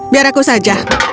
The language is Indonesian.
biar aku saja